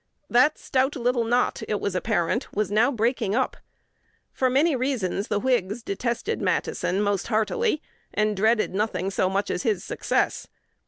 That stout little knot, it was apparent, was now breaking up. For many reasons the Whigs detested Matteson most heartily, and dreaded nothing so much as his success.